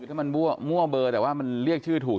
ถ้ามันมั่วเบอร์แต่ว่ามันเรียกชื่อถูก